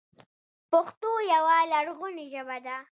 پښتو يوه لرغونې ژبه ده.